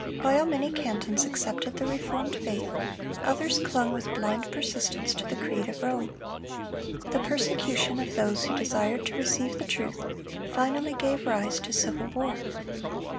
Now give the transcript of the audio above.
While many cantons accepted the reformed faith, others clung with blind persistence to the creed of Rome. Their persecution of those who desired to receive the truth, finally gave rise to civil war.